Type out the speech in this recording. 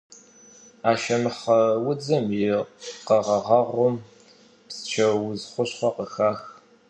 Ашэмыхъэ удзым и къэгъэгъэгъуэм псчэуз хущхъуэ къыхах.